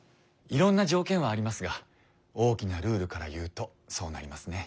いろんな条件はありますが大きなルールから言うとそうなりますね。